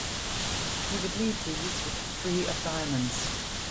He would leave these with the three of diamonds.